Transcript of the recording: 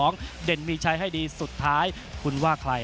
นักมวยจอมคำหวังเว่เลยนะครับ